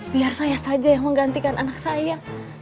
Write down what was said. biar saya saja yang menggantikan anak saya